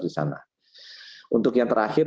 di sana untuk yang terakhir